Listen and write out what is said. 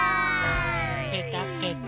ぺたぺた。